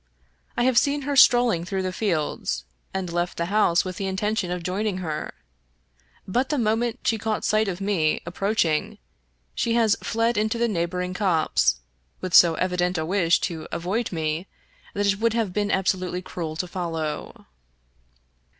I have seen her strolling through the fields, and left the house with the intention of joining her, but the moment she caught sight of me approaching she has fled into the neighboring copse, with so evident a wish to avoid me that it would have been absolutely cruel to follow.